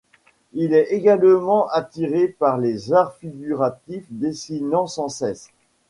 Il est également attiré par les arts figuratifs, dessinant sans cesse.